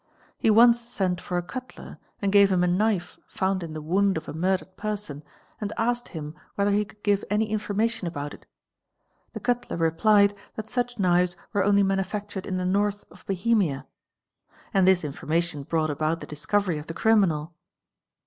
He once sent for a cutler and gave him a knife found in the wound of a purdered person and asked him whether he could give any information ibout it; the cutler replied that such knives were only manufactured in he north of Bohemia. And this information brought about the discovery f the criminal.